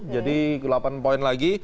jadi delapan poin lagi